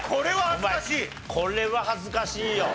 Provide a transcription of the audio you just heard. お前これは恥ずかしいよ。